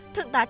thượng tá trịnh